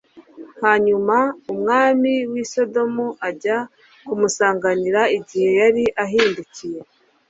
hanyuma umwami w'i sodomu ajya kumusanganira igihe yari ahindukiye